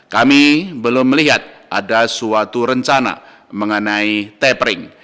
kami belum melihat ada suatu rencana mengenai tapering